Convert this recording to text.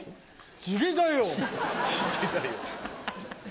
地毛だよ！